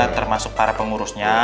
termasuk para pengurusnya